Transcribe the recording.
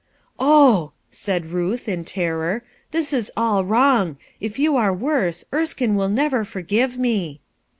"Oh!" said Ruth, in terror, "this is all wrong ! If you are worse, Erskine will never forgive me."